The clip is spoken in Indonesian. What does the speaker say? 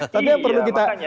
tapi yang perlu kita